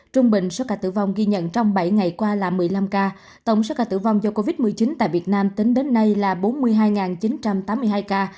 trung bình số ca tử vong ghi nhận trong bảy ngày qua là một mươi năm ca tổng số ca tử vong do covid một mươi chín tại việt nam tính đến nay là bốn mươi hai chín trăm tám mươi hai ca